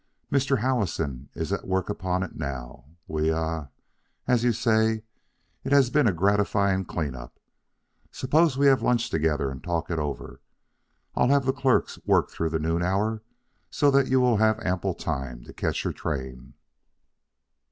Mr. Howison is at work upon it now. We ah as you say, it has been a gratifying clean up. Suppose we have lunch together and talk it over. I'll have the clerks work through the noon hour, so that you will have ample time to catch your train."